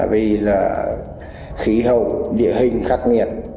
vì khí hậu địa hình khắc nghiệt